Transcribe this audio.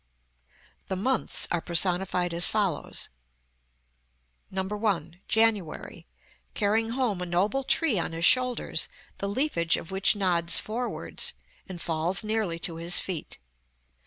§ LII. The months are personified as follows: 1. JANUARY, _Carrying home a noble tree on his shoulders, the leafage of which nods forwards, and falls nearly to his feet.